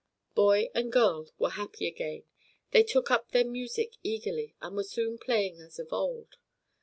Boy and girl were happy again; they took up their music eagerly, and were soon playing as of old.